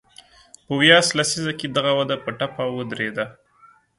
په ویاس لسیزه کې دغه وده په ټپه ودرېده.